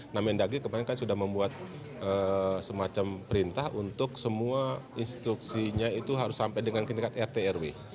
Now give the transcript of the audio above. nah mendagri kemarin kan sudah membuat semacam perintah untuk semua instruksinya itu harus sampai dengan ke tingkat rt rw